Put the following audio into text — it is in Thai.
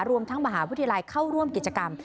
รวมทั้งมหาวิทยาลัยเข้าร่วมกิจกรรม